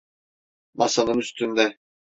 Masanın üstünde.